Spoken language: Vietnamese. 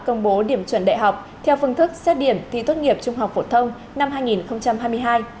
công bố điểm chuẩn đại học theo phương thức xét điểm thi tốt nghiệp trung học phổ thông năm hai nghìn hai mươi hai